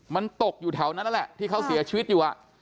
มันตกอยู่แถวนั้นนั่นแหละที่เขาเสียชีวิตอยู่